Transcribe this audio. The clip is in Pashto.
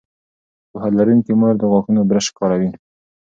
پوهه لرونکې مور د غاښونو برش کاروي.